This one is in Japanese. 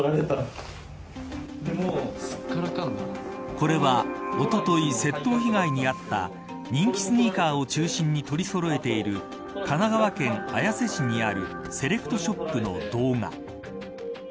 これはおととい窃盗被害に遭った人気スニーカーを中心に取りそろえている神奈川県綾瀬市にあるセレクトショップの動画。